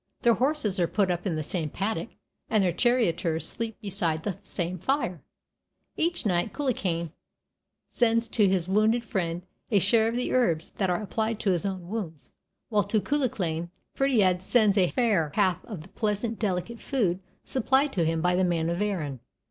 Their horses are put up in the same paddock and their charioteers sleep beside the same fire; each night Cuchulainn sends to his wounded friend a share of the herbs that are applied to his own wounds, while to Cuchulainn Ferdiad sends a fair half of the pleasant delicate food supplied to him by the men of Erin.